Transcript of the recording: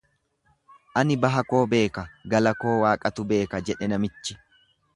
Ani baha koo beeka, gala koo waaqatu beeka, jedhe namichi.